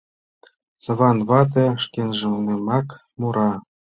Саван вате шкенжынымак мура.